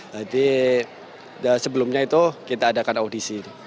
jadi sebelumnya itu kita adakan audisi